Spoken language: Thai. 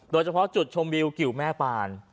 โดยเฉพาะจุดชมวิวกิวแม่ปาน